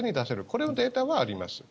これのデータはあります。